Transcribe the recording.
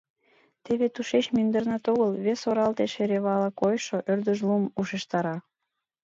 Теве тушеч мӱндырнат огыл вес оралте шеревала койшо ӧрдыжлум ушештара.